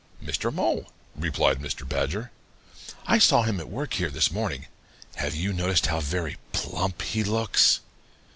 "'Mr. Mole,' replied Mr. Badger. 'I saw him at work here this morning. Have you noticed how very plump he looks?'